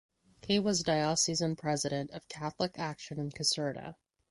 He was diocesan president of Catholic Action in Caserta.